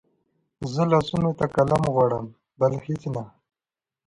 زه لاسونو ته قلم غواړم بل هېڅ نه